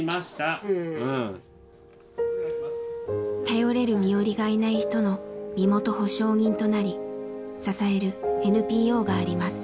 頼れる身寄りがいない人の身元保証人となり支えるＮＰＯがあります。